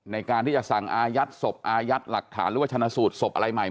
ในการที่จะสั่งอาญัตสม์หรือว่าชนะสูตรสมบใหม่ไหม